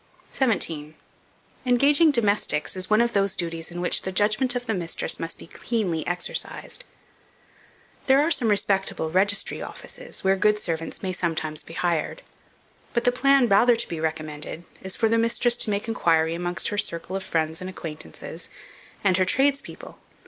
17. ENGAGING DOMESTICS is one of those duties in which the judgment of the mistress must be keenly exercised. There are some respectable registry offices, where good servants may sometimes be hired; but the plan rather to be recommended is, for the mistress to make inquiry amongst her circle of friends and acquaintances, and her tradespeople.